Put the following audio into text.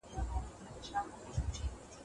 آیا ستا په کتابتون کي پښتو اثار سته؟